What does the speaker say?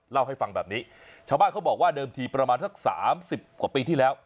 เล่าให้ฟังแบบนี้ชาวบ้านเขาบอกว่าเดิมทีประมาณสักสามสิบกว่าปีที่แล้ว